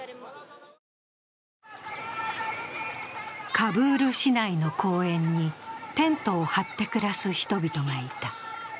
カブール市内の公園にテントを張って暮らす人々がいた。